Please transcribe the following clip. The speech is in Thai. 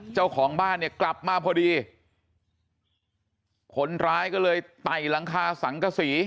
เจ้าของบ้านเนี่ยกลับมาพอดีคนร้ายก็เลยไต่หลังคาสังกษี